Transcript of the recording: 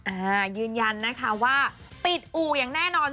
อ่ายืนยันนะคะว่าปิดอู่อย่างแน่นอน